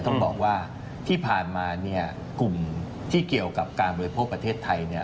ต้องบอกว่าที่ผ่านมากลุ่มที่เกี่ยวกับการบริโภคประเทศไทย